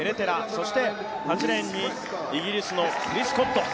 そして８レーンにイギリスのプリスゴッド。